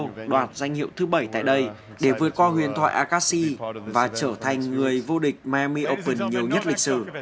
tuy nhiên tổng tiêu đoàn danh hiệu thứ bảy tại đây để vượt qua huyền thoại akashi và trở thành người vô địch miami open nhiều nhất lịch sử